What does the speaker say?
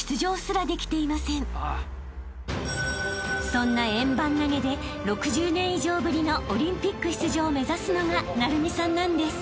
［そんな円盤投で６０年以上ぶりのオリンピック出場を目指すのが晟弓さんなんです］